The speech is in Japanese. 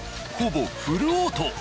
ほぼフルオート。